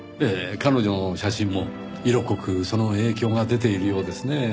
彼女の写真も色濃くその影響が出ているようですねぇ。